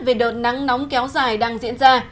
về đợt nắng nóng kéo dài đang diễn ra